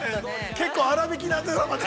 ◆結構、粗びきなドラマで。